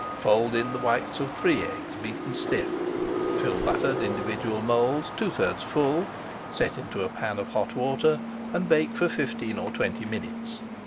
Fold in the whites of three eggs beaten stiff, fill buttered individual moulds two thirds full, set into a pan of hot water, and bake for fifteen or twenty minutes.